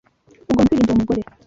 Ugomba kwirinda uwo mugore.